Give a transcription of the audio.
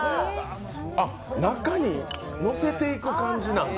中にのせていく感じなんだ。